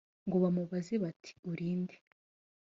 ngo bamubaze bati uri nde